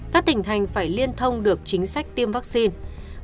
các tỉnh thành phải liên thông được chính sách tiêm vaccine